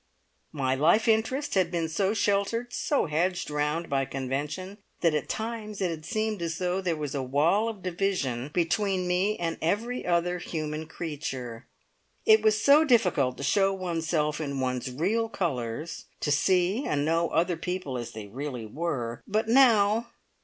My life interest had been so sheltered, so hedged round by convention, that at times it had seemed as though there was a wall of division between me and every other human creature. It was so difficult to show oneself in one's real colours, to see and know other people as they really were. But now!